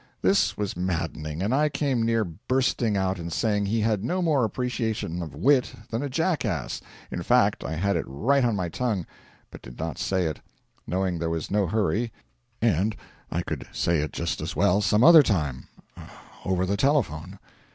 This was maddening, and I came near bursting out and saying he had no more appreciation of wit than a jackass in fact, I had it right on my tongue, but did not say it, knowing there was no hurry and I could say it just as well some other time over the telephone.